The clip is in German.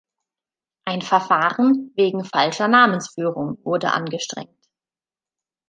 Ein Verfahren „wegen falscher Namensführung“ wurde angestrengt.